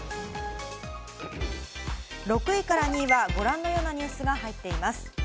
６位から２位はご覧のようなニュースが入っています。